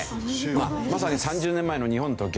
まさに３０年前の日本と逆転ですね。